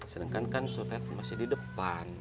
sedangkan kan sutet masih di depan